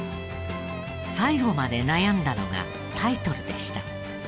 最後まで悩んだのがタイトルでした。